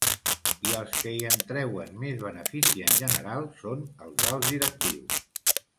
I els qui en treuen més benefici en general són els alts directius.